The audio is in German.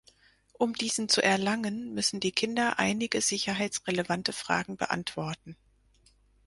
Um diesen zu erlangen, müssen die Kinder einige sicherheitsrelevante Fragen beantworten.